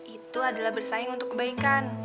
itu adalah bersaing untuk kebaikan